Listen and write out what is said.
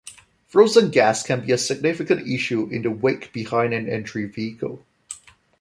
Frozen gas can be a significant issue in the wake behind an entry vehicle.